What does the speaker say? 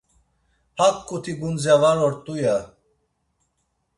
Haǩuti gundze var ort̆u ya.